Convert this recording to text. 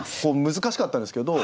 難しかったんですけど僕はこう。